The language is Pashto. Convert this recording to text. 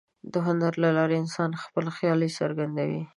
د هنر له لارې انسان خپل خیال څرګندوي.